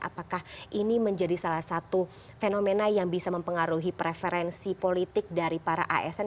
apakah ini menjadi salah satu fenomena yang bisa mempengaruhi preferensi politik dari para asn